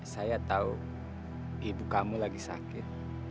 saya tahu ibu kamu lagi sakit